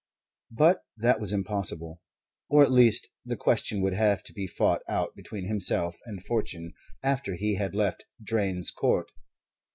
But that was impossible, or at least the question would have to be fought out between himself and fortune after he had left Drane's Court.